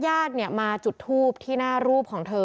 ญาติมาจุดทูบที่หน้ารูปของเธอ